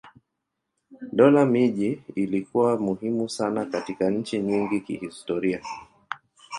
Dola miji ilikuwa muhimu sana katika nchi nyingi kihistoria.